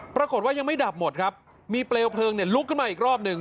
ปรากฏว่ายังไม่ดับหมดครับมีเปลวเพลิงเนี่ยลุกขึ้นมาอีกรอบหนึ่ง